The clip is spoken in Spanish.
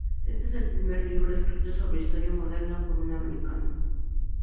Este es el primer libro escrito sobre historia moderna por un americano.